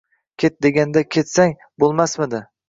Ket, deganda ketsang, boʻlmasmidi?